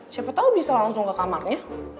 siapa tahu bisa langsung ke kamarnya